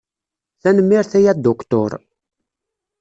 Tanemmirt a Aduktur.